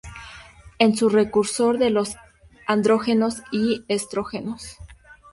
Es un precursor de los andrógenos y estrógenos.